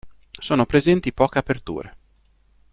Sono presenti poche aperture.